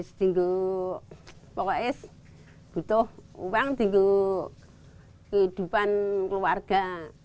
untuk apa saja butuh uang untuk kehidupan keluarga